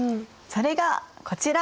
それがこちら。